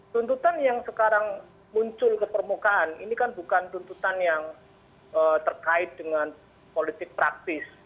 tuntutan yang sekarang muncul ke permukaan ini kan bukan tuntutan yang terkait dengan politik praktis